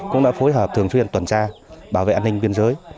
cũng đã phối hợp thường xuyên tuần tra bảo vệ an ninh biên giới